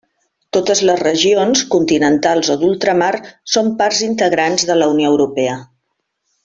Totes les regions, continentals o d'ultramar, són parts integrants de la Unió Europea.